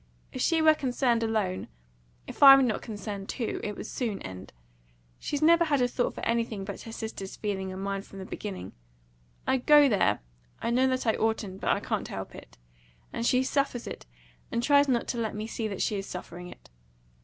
If she were concerned alone if I were not concerned too it would soon end. She's never had a thought for anything but her sister's feeling and mine from the beginning. I go there, I know that I oughtn't, but I can't help it, and she suffers it, and tries not to let me see that she is suffering it.